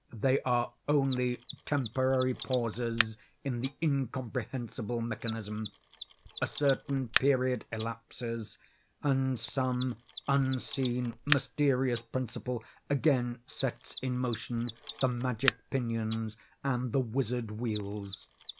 They are only temporary pauses in the incomprehensible mechanism. A certain period elapses, and some unseen mysterious principle again sets in motion the magic pinions and the wizard wheels.